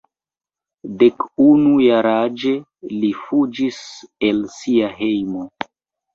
Dekunu jaraĝe li fuĝis el sia hejmo.